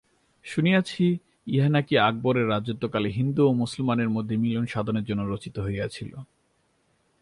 শুনিয়াছি, ইহা নাকি আকবরের রাজত্বকালে হিন্দু ও মুসলমানের মধ্যে মিলন-সাধনের জন্য রচিত হইয়াছিল।